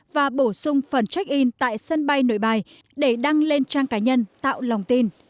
và bổ sung phần check in tại sân bay nội bài để đăng lên trang cá nhân tạo lòng tin